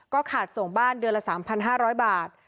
ขาดส่งบ้านเดือนละ๓๕๐๐บาท